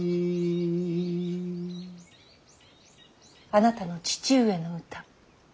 あなたの父上の歌。